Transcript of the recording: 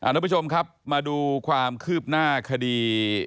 ทุกผู้ชมครับมาดูความคืบหน้าคดี